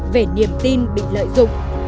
về niềm tin bị lợi dụng